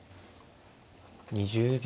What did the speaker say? ２０秒。